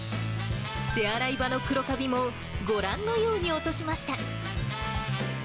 手洗い場の黒かびもご覧のように落としました。